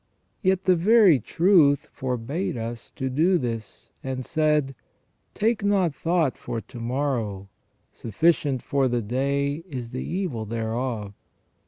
Yet the Very Truth forbade us to do this, and said :' Take not thought for to morrow ; sufficient for the day is the evil thereof.